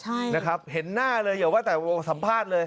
ใช่นะครับเห็นหน้าเลยอย่าว่าแต่วงสัมภาษณ์เลย